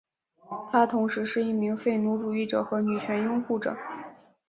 他同时是一名废奴主义者和女权拥护者。